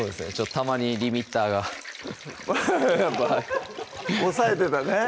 たまにリミッターがアハハハッ抑えてたね